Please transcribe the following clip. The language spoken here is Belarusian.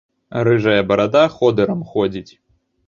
Рыжая барада ходырам ходзіць.